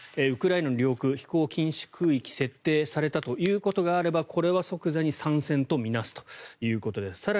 ウクライナ領空飛行禁止空域設定されたということがあればこれは即座に参戦と見なすということです。